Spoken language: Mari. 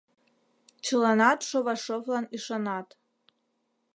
Чыланат Шовашовлан ӱшанат.